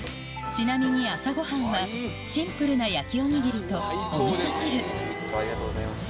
ちなみに朝ご飯はシンプルな焼きおにぎりとおみそ汁ありがとうございました。